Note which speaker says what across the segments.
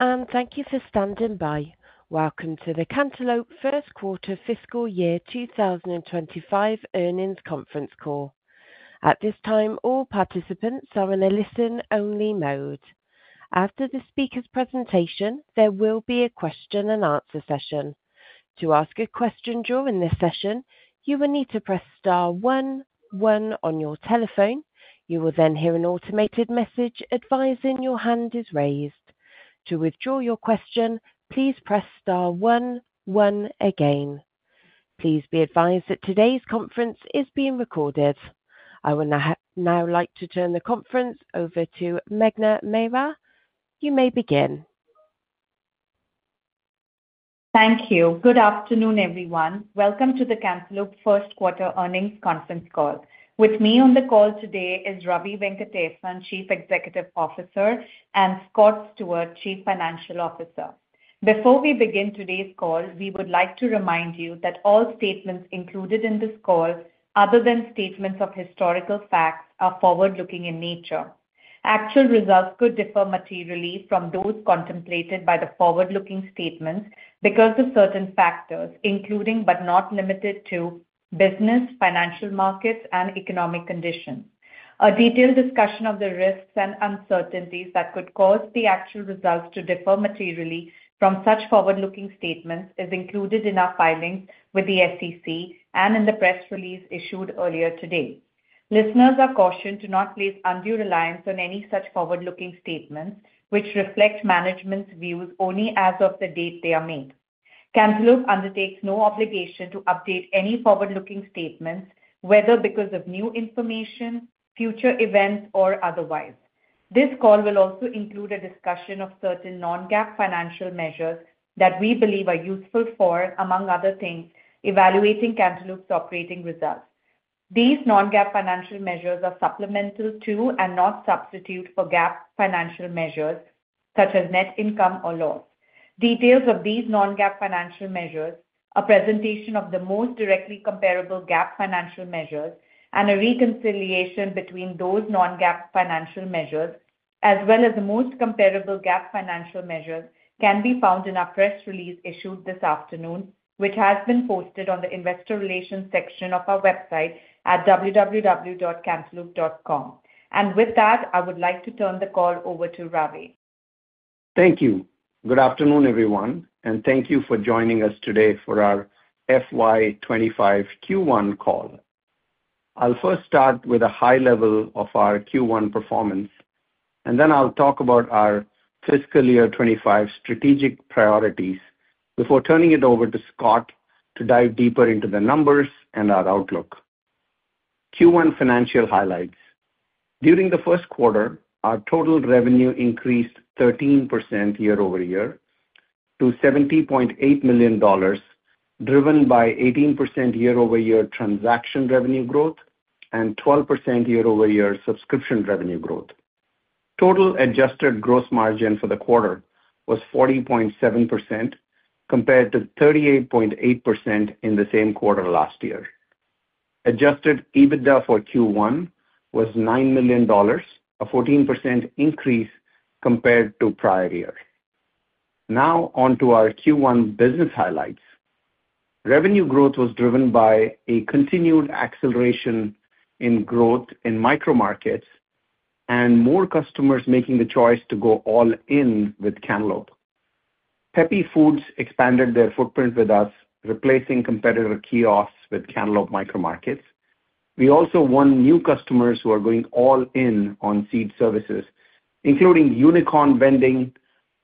Speaker 1: Thank you for standing by. Welcome to the Cantaloupe 1st quarter fiscal year 2025 earnings conference call. At this time, all participants are in a listen-only mode. After the speaker's presentation, there will be a question-and-answer session. To ask a question during this session, you will need to press star one, one on your telephone. You will then hear an automated message advising your hand is raised. To withdraw your question, please press star one, one again. Please be advised that today's conference is being recorded. I would now like to turn the conference over to Meghna Mehra. You may begin.
Speaker 2: Thank you. Good afternoon, everyone. Welcome to the Cantaloupe First Quarter Earnings Conference Call. With me on the call today is Ravi Venkatesan, Chief Executive Officer, and Scott Stewart, Chief Financial Officer. Before we begin today's call, we would like to remind you that all statements included in this call, other than statements of historical facts, are forward-looking in nature. Actual results could differ materially from those contemplated by the forward-looking statements because of certain factors, including but not limited to business, financial markets, and economic conditions. A detailed discussion of the risks and uncertainties that could cause the actual results to differ materially from such forward-looking statements is included in our filings with the SEC and in the press release issued earlier today. Listeners are cautioned to not place undue reliance on any such forward-looking statements, which reflect management's views only as of the date they are made. Cantaloupe undertakes no obligation to update any forward-looking statements, whether because of new information, future events, or otherwise. This call will also include a discussion of certain non-GAAP financial measures that we believe are useful for, among other things, evaluating Cantaloupe's operating results. These non-GAAP financial measures are supplemental to and not substitute for GAAP financial measures such as net income or loss. Details of these non-GAAP financial measures, a presentation of the most directly comparable GAAP financial measures, and a reconciliation between those non-GAAP financial measures, as well as the most comparable GAAP financial measures, can be found in our press release issued this afternoon, which has been posted on the investor relations section of our website at www.cantaloupe.com, and with that, I would like to turn the call over to Ravi.
Speaker 3: Thank you. Good afternoon, everyone, and thank you for joining us today for our FY25 Q1 call. I'll first start with a high level of our Q1 performance, and then I'll talk about our fiscal year 2025 strategic priorities before turning it over to Scott to dive deeper into the numbers and our outlook. Q1 financial highlights: During the first quarter, our total revenue increased 13% year-over-year to $70.8 million, driven by 18% year-over-year transaction revenue growth and 12% year-over-year subscription revenue growth. Total adjusted gross margin for the quarter was 40.7%, compared to 38.8% in the same quarter last year. Adjusted EBITDA for Q1 was $9 million, a 14% increase compared to prior year. Now on to our Q1 business highlights. Revenue growth was driven by a continued acceleration in growth in micro-markets and more customers making the choice to go all-in with Cantaloupe. Peppe’s Foods expanded their footprint with us, replacing competitor kiosks with Cantaloupe micro-markets. We also won new customers who are going all-in on Seed Services, including Unicorn Vending,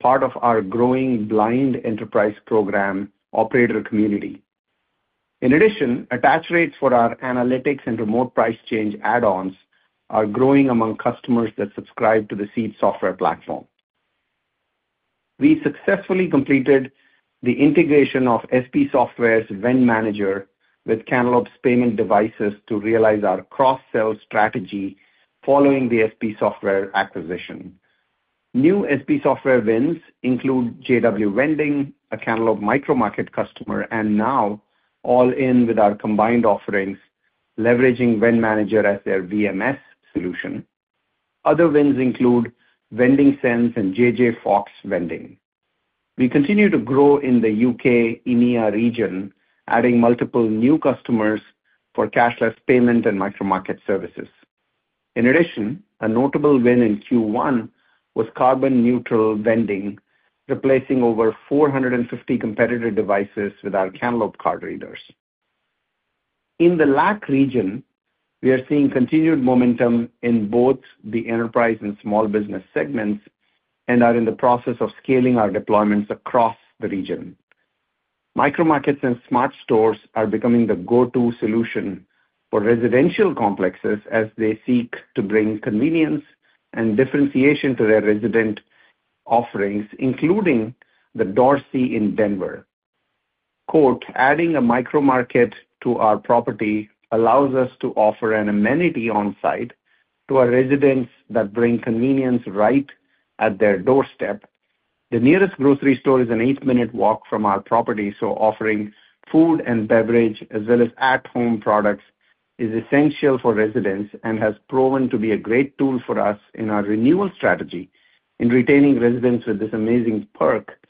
Speaker 3: part of our growing blind enterprise program operator community. In addition, attach rates for our analytics and Remote Price Change add-ons are growing among customers that subscribe to the Seed software platform. We successfully completed the integration of SB Software's Vendmanager with Cantaloupe's payment devices to realize our cross-sell strategy following the SB Software acquisition. New SB Software Vends include JW Vending, a Cantaloupe micro-market customer, and now all-in with our combined offerings, leveraging Vendmanager as their VMS solution. Other Vends include Vending Sense and JJ Fox Vending. We continue to grow in the U.K. EMEA region, adding multiple new customers for cashless payment and micro-market services. In addition, a notable win in Q1 was Carbon Neutral Vending, replacing over 450 competitor devices with our Cantaloupe card readers. In the LAC region, we are seeing continued momentum in both the enterprise and small business segments and are in the process of scaling our deployments across the region. Micro-markets and Smart Stores are becoming the go-to solution for residential complexes as they seek to bring convenience and differentiation to their resident offerings, including The Dorsey in Denver. Adding a micro-market to our property allows us to offer an amenity on-site to our residents that bring convenience right at their doorstep. The nearest grocery store is an eight-minute walk from our property, so offering food and beverage as well as at-home products is essential for residents and has proven to be a great tool for us in our renewal strategy in retaining residents with this amazing perk,"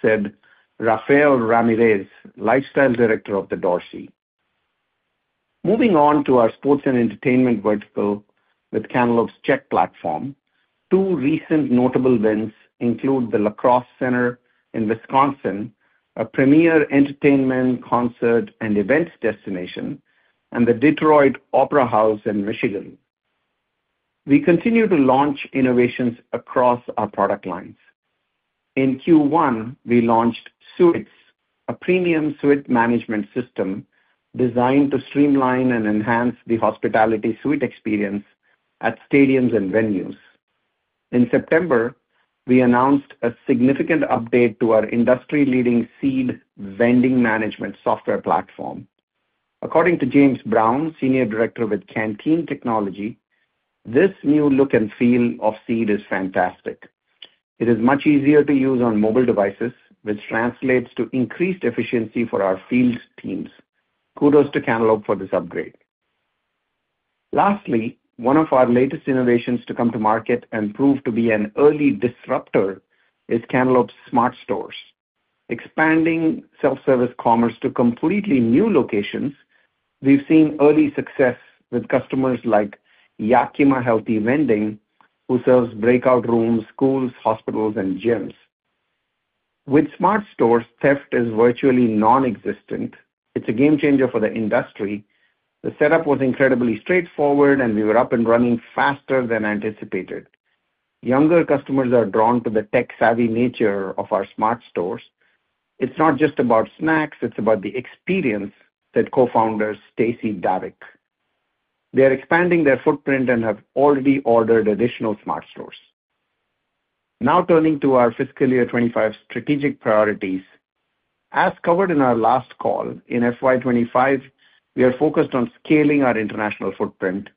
Speaker 3: said Rafael Ramirez, Lifestyle Director of The Dorsey. Moving on to our sports and entertainment vertical with Cantaloupe's CHEQ platform, two recent notable wins include the La Crosse Center in Wisconsin, a premier entertainment, concert, and events destination, and the Detroit Opera House in Michigan. We continue to launch innovations across our product lines. In Q1, we launched Suites, a premium suite management system designed to streamline and enhance the hospitality suite experience at stadiums and venues. In September, we announced a significant update to our industry-leading Seed Vending management software platform. According to James Brown, Senior Director with Canteen, this new look and feel of Seed is fantastic. It is much easier to use on mobile devices, which translates to increased efficiency for our field teams. Kudos to Cantaloupe for this upgrade. Lastly, one of our latest innovations to come to market and prove to be an early disruptor is Cantaloupe's Smart Stores. Expanding self-service commerce to completely new locations, we've seen early success with customers like Yakima Healthy Vending, who serves breakout rooms, schools, hospitals, and gyms. With Smart Stores, theft is virtually non-existent. It's a game changer for the industry. The setup was incredibly straightforward, and we were up and running faster than anticipated. Younger customers are drawn to the tech-savvy nature of our Smart Stores. It's not just about snacks. It's about the experience, said Co-founder Stacy Darrick. They are expanding their footprint and have already ordered additional smart stores. Now turning to our fiscal year '25 strategic priorities, as covered in our last call, in FY25, we are focused on scaling our international footprint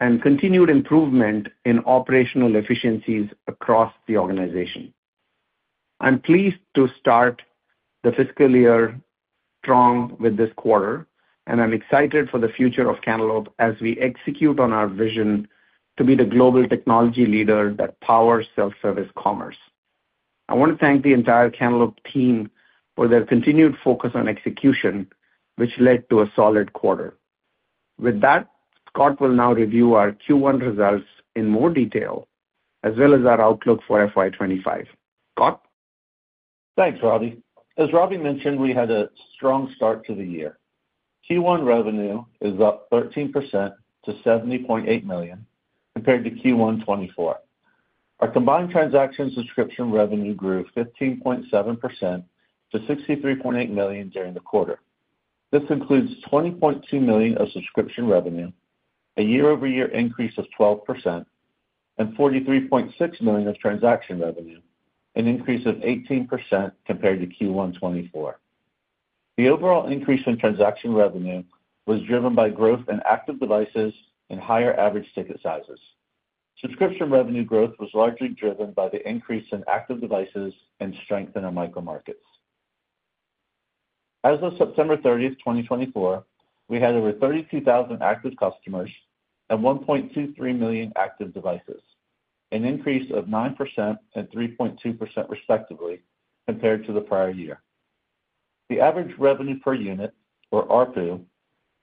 Speaker 3: and continued improvement in operational efficiencies across the organization. I'm pleased to start the fiscal year strong with this quarter, and I'm excited for the future of Cantaloupe as we execute on our vision to be the global technology leader that powers self-service commerce. I want to thank the entire Cantaloupe team for their continued focus on execution, which led to a solid quarter. With that, Scott will now review our Q1 results in more detail, as well as our outlook for FY25. Scott?
Speaker 4: Thanks, Ravi. As Ravi mentioned, we had a strong start to the year. Q1 revenue is up 13% to $70.8 million compared to Q1 2024. Our combined transactions subscription revenue grew 15.7% to $63.8 million during the quarter. This includes $20.2 million of subscription revenue, a year-over-year increase of 12%, and $43.6 million of transaction revenue, an increase of 18% compared to Q1 2024. The overall increase in transaction revenue was driven by growth in active devices and higher average ticket sizes. Subscription revenue growth was largely driven by the increase in active devices and strength in our micro-markets. As of September 30th, 2024, we had over 32,000 active customers and 1.23 million active devices, an increase of 9% and 3.2% respectively compared to the prior year. The average revenue per unit, or RPU,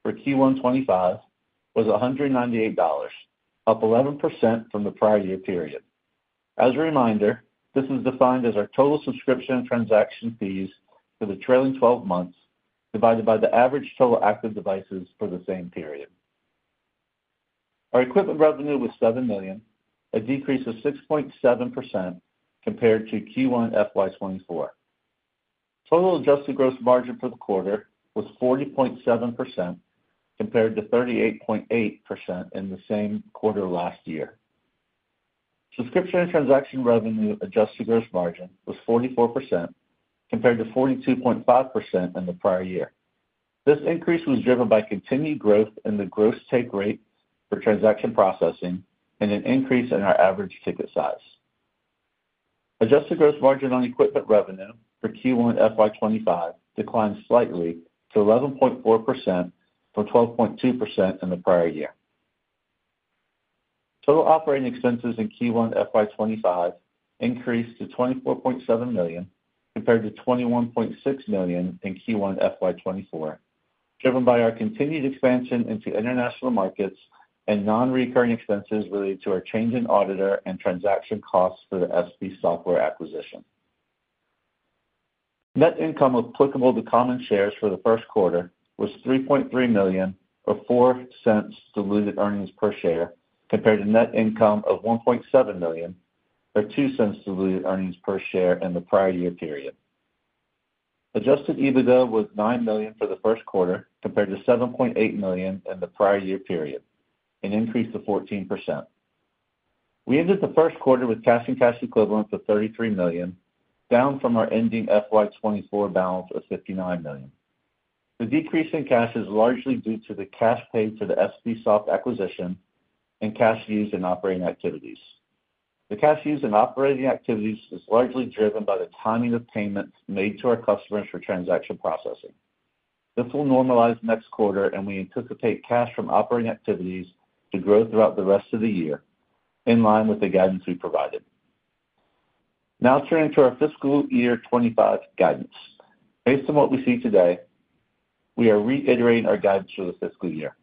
Speaker 4: for Q1 2025 was $198, up 11% from the prior year period. As a reminder, this is defined as our total subscription and transaction fees for the trailing 12 months divided by the average total active devices for the same period. Our equipment revenue was $7 million, a decrease of 6.7% compared to Q1 FY24. Total Adjusted Gross Margin for the quarter was 40.7% compared to 38.8% in the same quarter last year. Subscription and transaction revenue Adjusted Gross Margin was 44% compared to 42.5% in the prior year. This increase was driven by continued growth in the gross take rate for transaction processing and an increase in our average ticket size. Adjusted Gross Margin on equipment revenue for Q1 FY25 declined slightly to 11.4% from 12.2% in the prior year. Total operating expenses in Q1 FY25 increased to $24.7 million compared to $21.6 million in Q1 FY24, driven by our continued expansion into international markets and non-recurring expenses related to our change in auditor and transaction costs for the SB Software acquisition. Net income applicable to common shares for the first quarter was $3.3 million, or $0.04 diluted earnings per share, compared to net income of $1.7 million, or $0.02 diluted earnings per share in the prior year period. Adjusted EBITDA was $9 million for the first quarter compared to $7.8 million in the prior year period, an increase of 14%. We ended the first quarter with cash and cash equivalents of $33 million, down from our ending FY24 balance of $59 million. The decrease in cash is largely due to the cash paid for the SB Software acquisition and cash used in operating activities. The cash used in operating activities is largely driven by the timing of payments made to our customers for transaction processing. This will normalize next quarter, and we anticipate cash from operating activities to grow throughout the rest of the year in line with the guidance we provided. Now turning to our fiscal year 2025 guidance. Based on what we see today, we are reiterating our guidance for the fiscal year.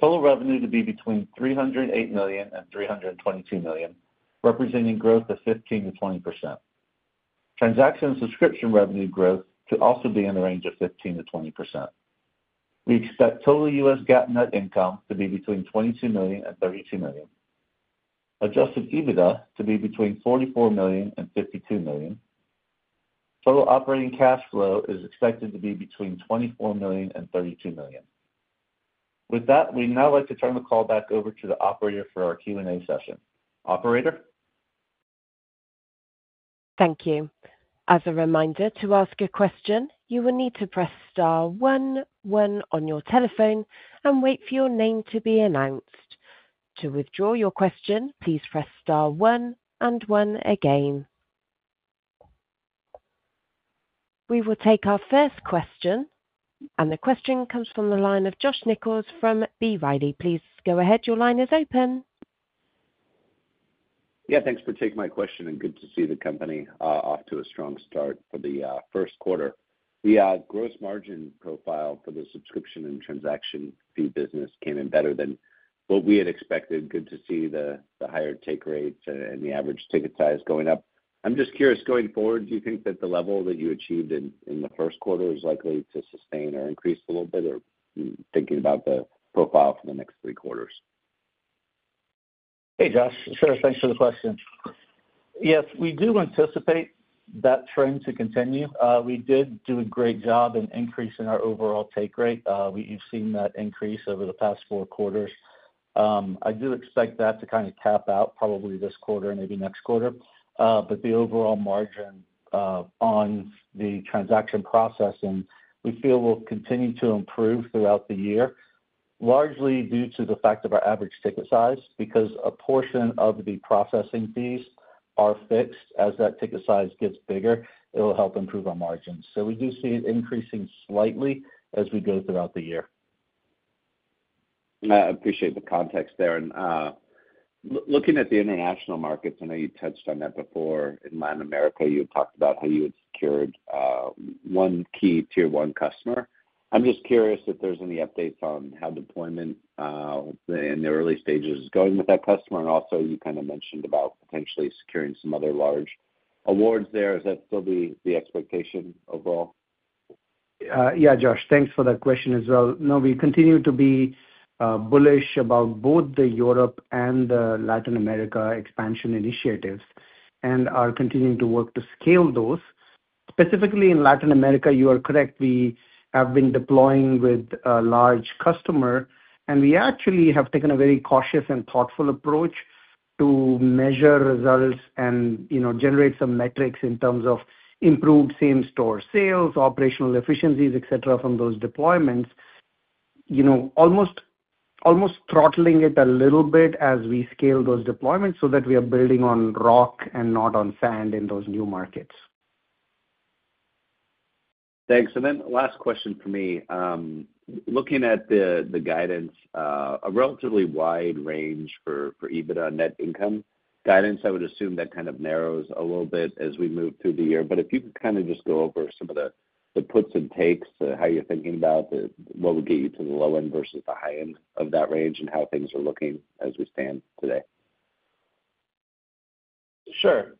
Speaker 4: Total revenue to be between $308 million-$322 million, representing growth of 15%-20%. Transaction and subscription revenue growth to also be in the range of 15%-20%. We expect total U.S. GAAP net income to be between $22 million-$32 million. Adjusted EBITDA to be between $44 million-$52 million. Total operating cash flow is expected to be between $24 million-$32 million. With that, we'd now like to turn the call back over to the operator for our Q&A session. Operator?
Speaker 1: Thank you. As a reminder, to ask a question, you will need to press star one one on your telephone and wait for your name to be announced. To withdraw your question, please press star one and one again. We will take our first question, and the question comes from the line of Josh Nichols from B. Riley. Please go ahead. Your line is open.
Speaker 5: Yeah, thanks for taking my question, and good to see the company off to a strong start for the first quarter. The gross margin profile for the subscription and transaction fee business came in better than what we had expected. Good to see the higher take rates and the average ticket size going up. I'm just curious, going forward, do you think that the level that you achieved in the first quarter is likely to sustain or increase a little bit, or thinking about the profile for the next three quarters?
Speaker 4: Hey, Josh. Sure, thanks for the question. Yes, we do anticipate that trend to continue. We did do a great job in increasing our overall take rate. You've seen that increase over the past four quarters. I do expect that to kind of cap out probably this quarter, maybe next quarter, but the overall margin on the transaction processing, we feel will continue to improve throughout the year, largely due to the fact of our average ticket size, because a portion of the processing fees are fixed as that ticket size gets bigger. It will help improve our margins. So we do see it increasing slightly as we go throughout the year.
Speaker 5: I appreciate the context there. And looking at the international markets, I know you touched on that before. In Latin America, you talked about how you had secured one key tier one customer. I'm just curious if there's any updates on how deployment in the early stages is going with that customer. And also, you kind of mentioned about potentially securing some other large awards there. Is that still the expectation overall?
Speaker 3: Yeah, Josh, thanks for that question as well. No, we continue to be bullish about both the Europe and the Latin America expansion initiatives and are continuing to work to scale those. Specifically in Latin America, you are correct. We have been deploying with a large customer, and we actually have taken a very cautious and thoughtful approach to measure results and generate some metrics in terms of improved same-store sales, operational efficiencies, etc., from those deployments, almost throttling it a little bit as we scale those deployments so that we are building on rock and not on sand in those new markets.
Speaker 5: Thanks. And then last question for me. Looking at the guidance, a relatively wide range for EBITDA net income guidance, I would assume that kind of narrows a little bit as we move through the year. But if you could kind of just go over some of the puts and takes, how you're thinking about what would get you to the low end versus the high end of that range and how things are looking as we stand today.
Speaker 4: Sure,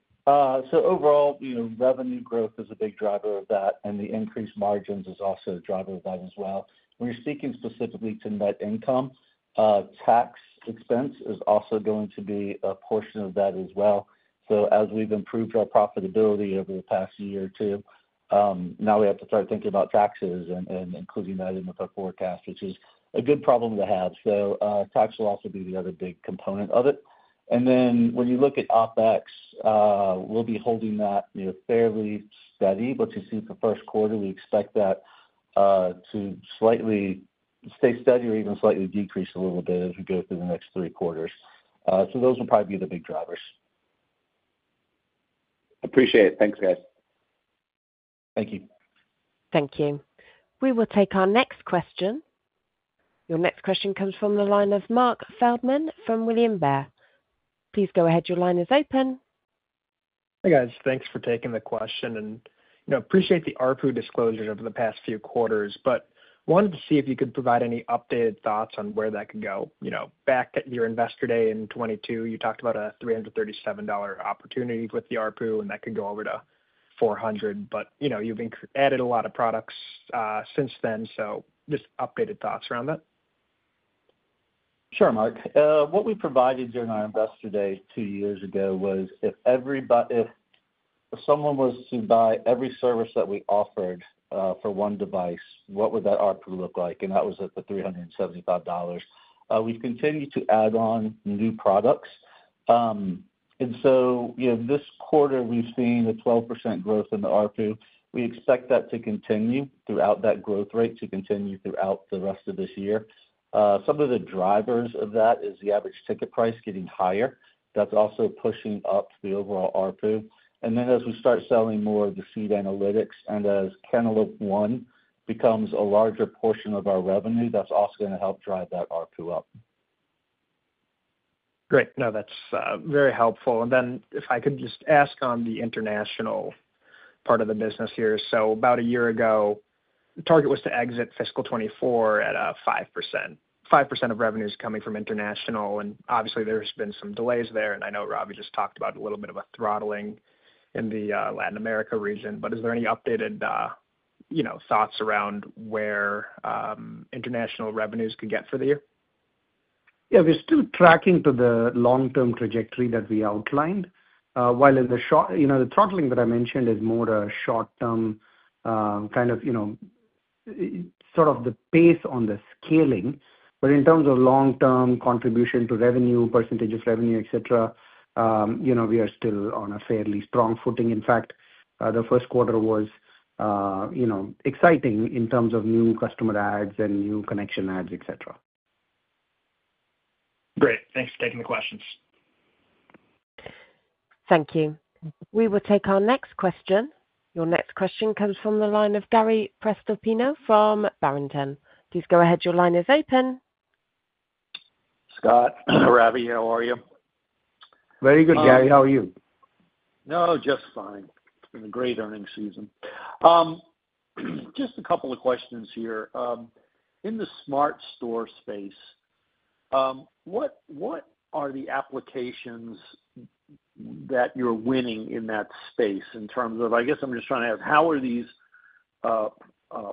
Speaker 4: so overall, revenue growth is a big driver of that, and the increased margins is also a driver of that as well. We're speaking specifically to net income. Tax expense is also going to be a portion of that as well, so as we've improved our profitability over the past year or two, now we have to start thinking about taxes and including that in with our forecast, which is a good problem to have. So tax will also be the other big component of it, and then when you look at OpEx, we'll be holding that fairly steady. But you see for first quarter, we expect that to slightly stay steady or even slightly decrease a little bit as we go through the next three quarters, so those will probably be the big drivers.
Speaker 5: Appreciate it. Thanks, guys.
Speaker 4: Thank you.
Speaker 1: Thank you. We will take our next question. Your next question comes from the line of Mark Feldman from William Blair. Please go ahead. Your line is open.
Speaker 6: Hey, guys. Thanks for taking the question, and I appreciate the ARPU disclosures over the past few quarters, but wanted to see if you could provide any updated thoughts on where that could go. Back at your investor day in 2022, you talked about a $337 opportunity with the ARPU, and that could go over to $400. But you've added a lot of products since then, so just updated thoughts around that.
Speaker 4: Sure, Mark. What we provided during our investor day two years ago was if someone was to buy every service that we offered for one device, what would that ARPU look like? And that was at the $375. We've continued to add on new products. And so this quarter, we've seen a 12% growth in the ARPU. We expect that to continue throughout, that growth rate to continue throughout the rest of this year. Some of the drivers of that is the average ticket price getting higher. That's also pushing up the overall ARPU. And then as we start selling more of the Seed Analytics and as Cantaloupe One becomes a larger portion of our revenue, that's also going to help drive that ARPU up.
Speaker 6: Great. No, that's very helpful, and then if I could just ask on the international part of the business here. So about a year ago, the target was to exit fiscal 2024 at 5%. 5% of revenues coming from international, and obviously, there's been some delays there, and I know Ravi just talked about a little bit of a throttling in the Latin America region, but is there any updated thoughts around where international revenues could get for the year?
Speaker 3: Yeah, we're still tracking to the long-term trajectory that we outlined. While in the short, the throttling that I mentioned is more a short-term kind of sort of the pace on the scaling. But in terms of long-term contribution to revenue, percentage of revenue, etc., we are still on a fairly strong footing. In fact, the first quarter was exciting in terms of new customer adds and new connection adds, etc.
Speaker 6: Great. Thanks for taking the questions.
Speaker 1: Thank you. We will take our next question. Your next question comes from the line of Gary Prestopino from Barrington. Please go ahead. Your line is open.
Speaker 7: Scott, Ravi, how are you?
Speaker 4: Very good, Gary. How are you?
Speaker 7: No, just fine. It's been a great earnings season. Just a couple of questions here. In the smart store space, what are the applications that you're winning in that space in terms of, I guess I'm just trying to ask, how are these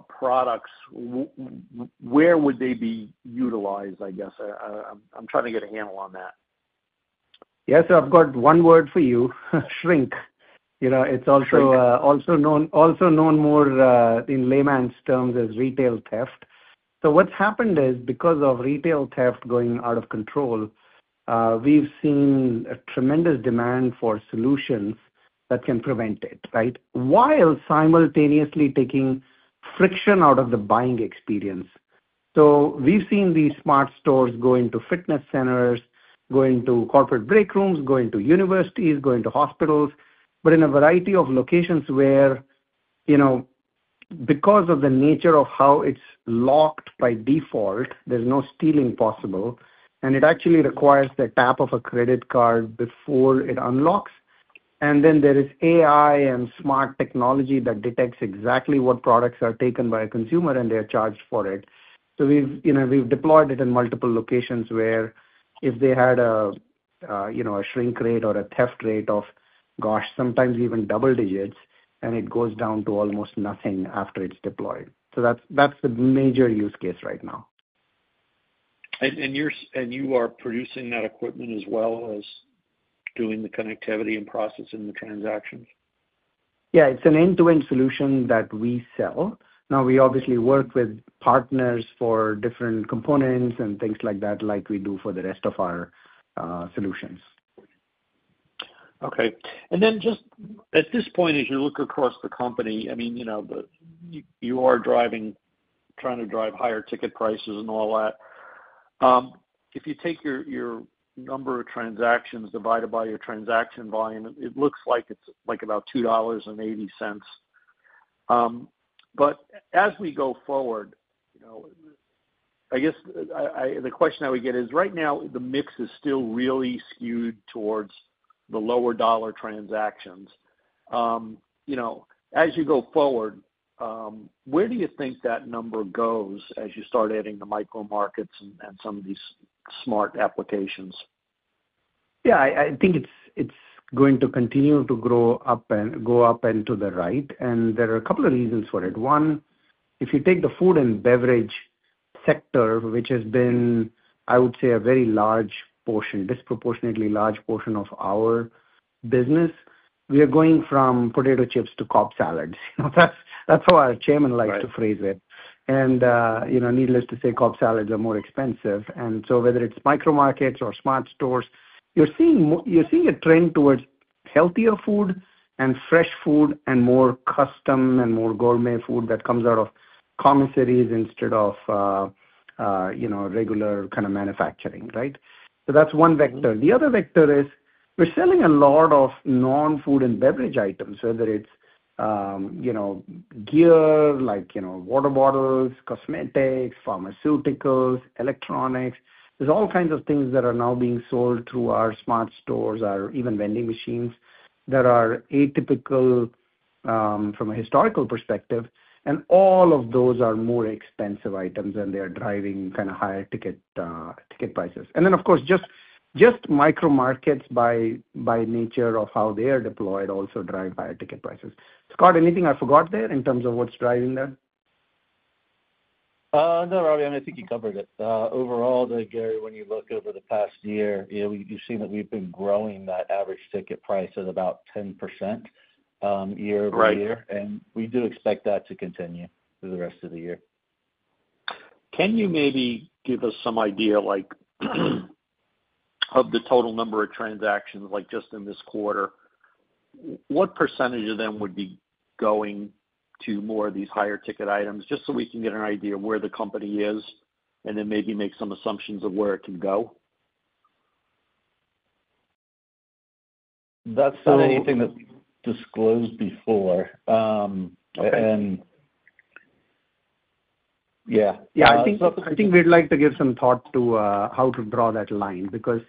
Speaker 7: products, where would they be utilized, I guess? I'm trying to get a handle on that.
Speaker 3: Yes, I've got one word for you, shrink. It's also known more in layman's terms as retail theft. So what's happened is because of retail theft going out of control, we've seen a tremendous demand for solutions that can prevent it, right, while simultaneously taking friction out of the buying experience. So we've seen these smart stores go into fitness centers, go into corporate break rooms, go into universities, go into hospitals, but in a variety of locations where, because of the nature of how it's locked by default, there's no stealing possible. And it actually requires the tap of a credit card before it unlocks. And then there is AI and smart technology that detects exactly what products are taken by a consumer, and they are charged for it. So we've deployed it in multiple locations where if they had a shrink rate or a theft rate of, gosh, sometimes even double digits, and it goes down to almost nothing after it's deployed. So that's the major use case right now.
Speaker 7: You are producing that equipment as well as doing the connectivity and processing the transactions?
Speaker 3: Yeah, it's an end-to-end solution that we sell. Now, we obviously work with partners for different components and things like that, like we do for the rest of our solutions.
Speaker 7: Okay. And then just at this point, as you look across the company, I mean, you are trying to drive higher ticket prices and all that. If you take your number of transactions divided by your transaction volume, it looks like it's about $2.80. But as we go forward, I guess the question I would get is, right now, the mix is still really skewed towards the lower dollar transactions. As you go forward, where do you think that number goes as you start adding the micro markets and some of these smart applications?
Speaker 3: Yeah, I think it's going to continue to go up and to the right. And there are a couple of reasons for it. One, if you take the food and beverage sector, which has been, I would say, a very large portion, disproportionately large portion of our business, we are going from potato chips to Cobb salads. That's how our chairman likes to phrase it. And needless to say, Cobb salads are more expensive. And so whether it's Micro-Markets or Smart Stores, you're seeing a trend towards healthier food and fresh food and more custom and more gourmet food that comes out of commissaries instead of regular kind of manufacturing, right? So that's one vector. The other vector is we're selling a lot of non-food and beverage items, whether it's gear like water bottles, cosmetics, pharmaceuticals, electronics. There's all kinds of things that are now being sold through our smart stores or even vending machines that are atypical from a historical perspective, and all of those are more expensive items, and they are driving kind of higher ticket prices, and then, of course, just micro markets by nature of how they are deployed also drive higher ticket prices. Scott, anything I forgot there in terms of what's driving that?
Speaker 4: No, Ravi, I think you covered it. Overall, Gary, when you look over the past year, you've seen that we've been growing that average ticket price at about 10% year over year. And we do expect that to continue through the rest of the year.
Speaker 7: Can you maybe give us some idea of the total number of transactions just in this quarter? What percentage of them would be going to more of these higher ticket items just so we can get an idea of where the company is and then maybe make some assumptions of where it can go?
Speaker 4: That's not anything that we've disclosed before, and yeah.
Speaker 3: Yeah, I think we'd like to give some thought to how to draw that line because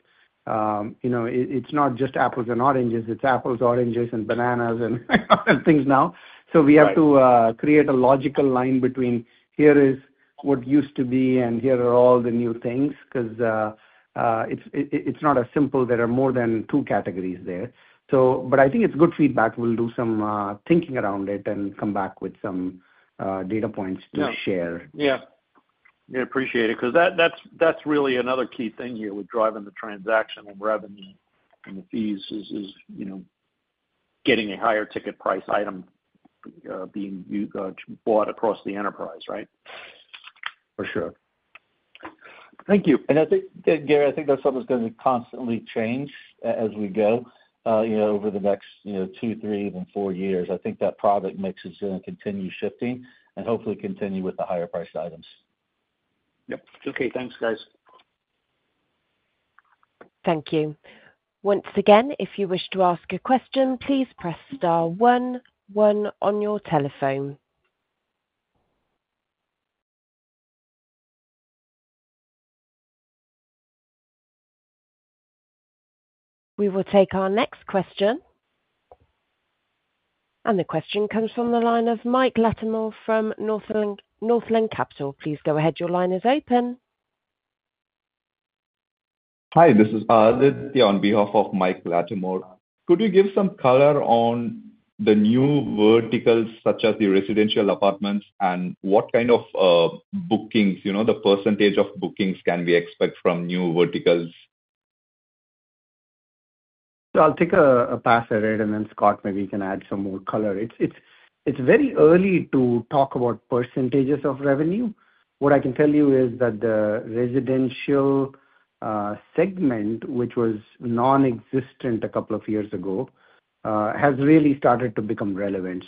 Speaker 3: it's not just apples and oranges. It's apples, oranges, and bananas and other things now. So we have to create a logical line between here is what used to be and here are all the new things because it's not as simple. There are more than two categories there. But I think it's good feedback. We'll do some thinking around it and come back with some data points to share.
Speaker 7: Yeah. Yeah. I appreciate it because that's really another key thing here with driving the transaction and revenue and the fees is getting a higher ticket price item being bought across the enterprise, right?
Speaker 3: For sure.
Speaker 4: Thank you, and Gary, I think that's something that's going to constantly change as we go over the next two, three, even four years. I think that product mix is going to continue shifting and hopefully continue with the higher priced items.
Speaker 7: Yep. Okay. Thanks, guys.
Speaker 1: Thank you. Once again, if you wish to ask a question, please press star one, one on your telephone. We will take our next question. And the question comes from the line of Mike Latimore from Northland Capital. Please go ahead. Your line is open.
Speaker 8: Hi, this is Ardit here on behalf of Mike Latimore. Could you give some color on the new verticals such as the residential apartments and what kind of bookings, the percentage of bookings can we expect from new verticals?
Speaker 3: I'll take a pass at it, and then Scott, maybe you can add some more color. It's very early to talk about percentages of revenue. What I can tell you is that the residential segment, which was nonexistent a couple of years ago, has really started to become relevant.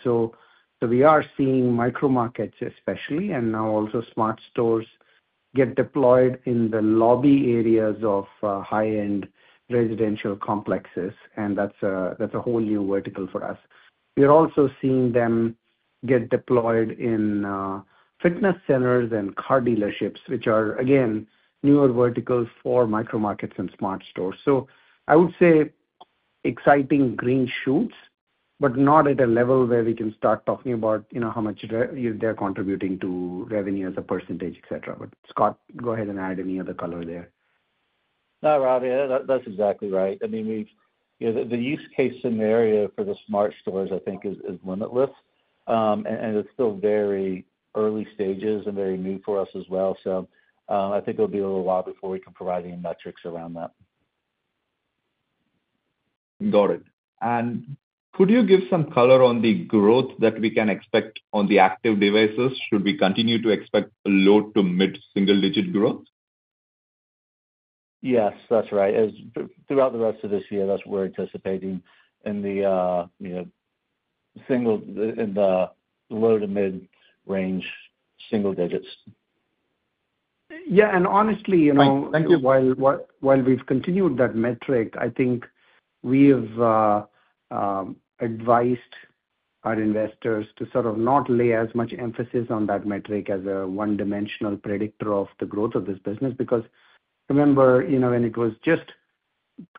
Speaker 3: We are seeing Micro-Markets especially, and now also Smart Stores get deployed in the lobby areas of high-end residential complexes. And that's a whole new vertical for us. We are also seeing them get deployed in fitness centers and car dealerships, which are, again, newer verticals for Micro-Markets and Smart Stores. I would say exciting green shoots, but not at a level where we can start talking about how much they're contributing to revenue as a percentage, etc. But Scott, go ahead and add any other color there.
Speaker 4: No, Ravi, that's exactly right. I mean, the use case scenario for the Smart Stores, I think, is limitless. And it's still very early stages and very new for us as well. So I think it'll be a little while before we can provide any metrics around that.
Speaker 8: Got it. And could you give some color on the growth that we can expect on the active devices? Should we continue to expect low to mid single-digit growth?
Speaker 4: Yes, that's right. Throughout the rest of this year, that's what we're anticipating in the low to mid-range single digits.
Speaker 3: Yeah. And honestly, while we've continued that metric, I think we've advised our investors to sort of not lay as much emphasis on that metric as a one-dimensional predictor of the growth of this business. Because remember, when it was just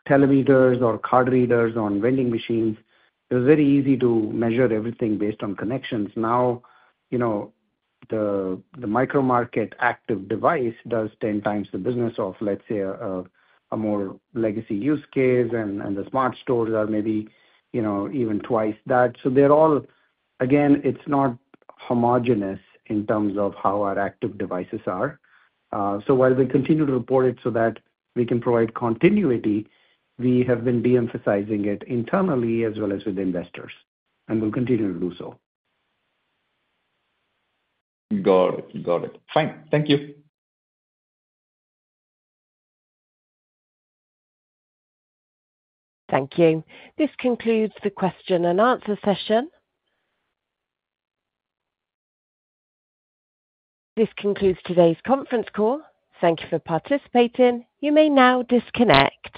Speaker 3: telemeters or card readers on vending machines, it was very easy to measure everything based on connections. Now, the Micro-Market active device does 10 times the business of, let's say, a more legacy use case. And the Smart Stores are maybe even twice that. So they're all, again, it's not homogeneous in terms of how our active devices are. So while we continue to report it so that we can provide continuity, we have been de-emphasizing it internally as well as with investors. And we'll continue to do so.
Speaker 8: Got it. Got it. Fine. Thank you.
Speaker 1: Thank you. This concludes the question and answer session. This concludes today's conference call. Thank you for participating. You may now disconnect.